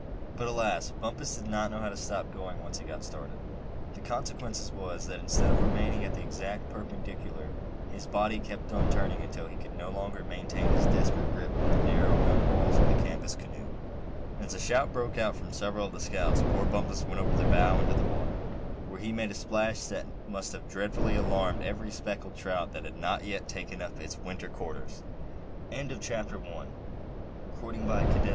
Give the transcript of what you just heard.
But alas! Bumpus did not know how to stop going, once he got started. The consequence was, that instead of remaining at an exact perpendicular, his body kept on turning until he could no longer maintain his desperate grip on the narrow gunwales of the canvas canoe. And as a shout broke out from several of the scouts, poor Bumpus went over the bow into the water; where he made a splash that must have dreadfully alarmed every speckled trout that had not yet taken up its winter quarters. CHAPTER II. THE TROUBLES OF BUMPUS.